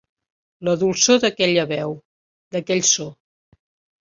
La dolçor d'aquella veu, d'aquell so.